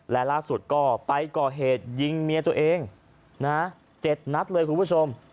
และล่าสุดก็ไปก่อเหตุยิงเมียตัวเอง๗นัดเลยคุณผู้ชม